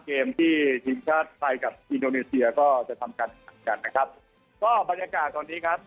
เกมที่เธอแปลกับซิโดเนซเซียก็จะนะครับก็บรรยากาศตอนนี้ครับ